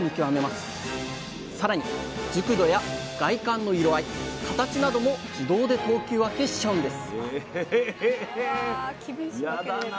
さらに熟度や外観の色合い形なども自動で等級分けしちゃうんです